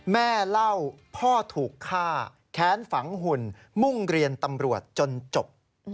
แม่เล่าพ่อถูกฆ่าแค้นฝังหุ่นมุ่งเรียนตำรวจจนจบ